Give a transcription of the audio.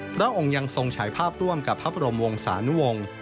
พระองค์ยังทรงฉายภาพร่วมกับพระบรมวงศานุวงศ์